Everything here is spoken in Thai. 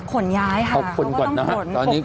กรมป้องกันแล้วก็บรรเทาสาธารณภัยนะคะ